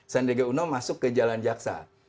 sandiaga uno masuk ke jalan jaksa